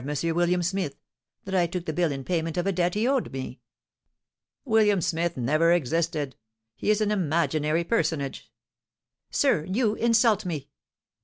William Smith, that I took the bill in payment of a debt he owed me." "William Smith never existed, he is an imaginary personage." "Sir, you insult me!"